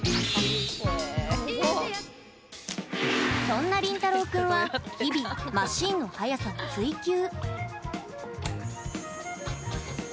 そんな、リンタロウ君は日々、マシーンの速さを追求。